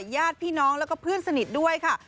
ญาติพี่น้องแล้วก็เพื่อนสนิทด้วยค่ะ